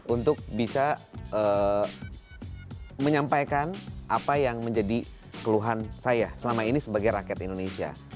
untuk bisa menyampaikan apa yang menjadi keluhan saya selama ini sebagai rakyat indonesia